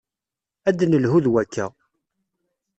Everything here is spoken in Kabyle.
Ad d-nelhu d wakka.